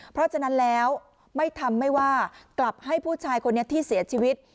เพราะฉะนั้นแล้วไม่ทำไม่ว่ากลับให้ผู้ชายคนนี้ที่เสียชีวิต